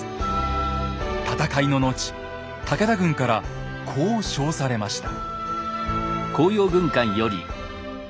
戦いの後武田軍からこう賞されました。